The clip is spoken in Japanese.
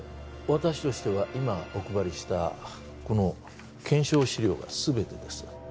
私としては今お配りしたこの検証資料が全てです